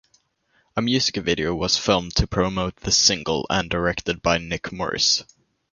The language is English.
A music video was filmed to promote the single and directed by Nick Morris.